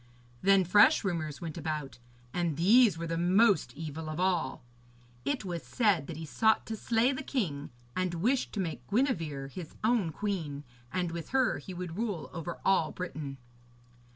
Then fresh rumours went about, and these were the most evil of all. It was said that he sought to slay the king, and wished to make Gwenevere his own queen, and with her he would rule over all Britain.